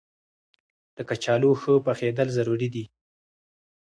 د کچالو ښه پخېدل ضروري دي.